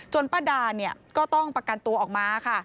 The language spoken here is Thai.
ป้าดาเนี่ยก็ต้องประกันตัวออกมาค่ะ